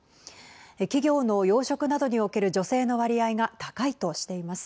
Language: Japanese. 企業の要職などにおける女性の割合が高いとしています。